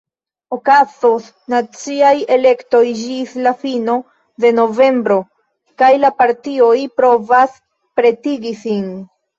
Okazos naciaj elektoj ĝis la fino de novembro, kaj la partioj provas pretigi sin.